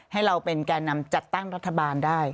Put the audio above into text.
ให้เราเป็นแก่นำจัดตั้งรัฐบาลได้